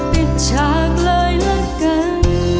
ปิดฉากเลยแล้วกัน